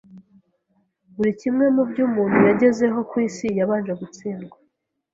Buri kimwe mubyo umuntu yagezeho ku isi yabanje gutsindwa.